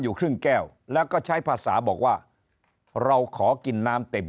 อยู่ครึ่งแก้วแล้วก็ใช้ภาษาบอกว่าเราขอกินน้ำเต็ม